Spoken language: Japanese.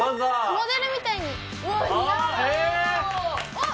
モデルみたいにえっ！